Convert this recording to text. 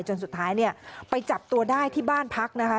จนสุดท้ายเนี่ยไปจับตัวได้ที่บ้านพักนะคะ